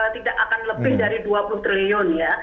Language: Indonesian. tidak akan lebih dari dua puluh triliun ya